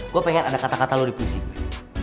gue pengen ada kata kata lo di puisi gue